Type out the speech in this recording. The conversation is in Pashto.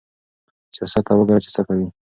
سياست ته وګوره چې څه کوي.